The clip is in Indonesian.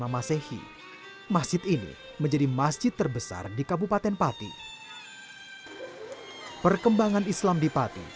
seribu delapan ratus empat puluh lima masehi masjid ini menjadi masjid terbesar di kabupaten pati perkembangan islam di pati